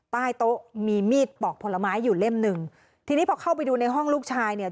ใต้โต๊ะมีมีดปอกผลไม้อยู่เล่มหนึ่งทีนี้พอเข้าไปดูในห้องลูกชายเนี่ย